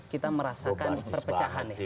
kita merasakan perpecahan